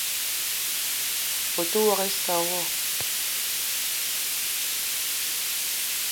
O te ouok issa wo?